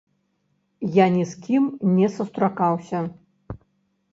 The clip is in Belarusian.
Я ні з кім не сустракаўся.